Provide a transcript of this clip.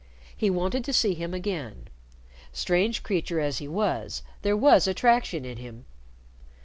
He wanted to see him again. Strange creature as he was, there was attraction in him.